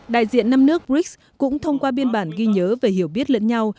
đại diện năm nước brics cũng thông qua biên bản ghi nhớ về hiểu biết lẫn nhau